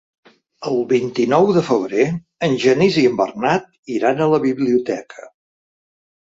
El vint-i-nou de febrer en Genís i en Bernat iran a la biblioteca.